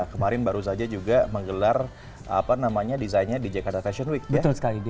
kemarin baru saja juga menggelar apa namanya desainnya di jakarta fashion week sekali